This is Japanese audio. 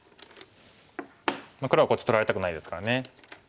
黒はこっち取られたくないですからね。